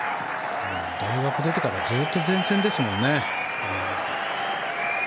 大学出てからずっと前線ですもんね。